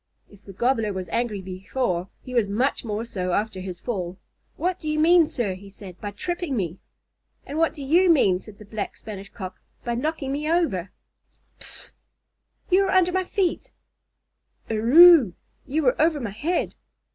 If the Gobbler was angry before, he was much more so after his fall. "What do you mean, sir," he said, "by tripping me?" "And what do you mean," said the Black Spanish Cock, "by knocking me over?" "Pffff! You were under my feet." "Erruuuu! You were over my head."